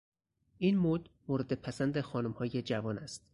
این مد مورد پسند خانمهای جوان است.